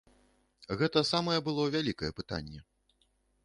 Гэта самае было вялікае пытанне.